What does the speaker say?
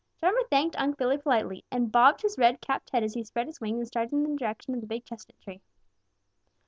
Drummer thanked Unc' Billy politely and bobbed his red capped head as he spread his wings and started in the direction of the big chestnut tree.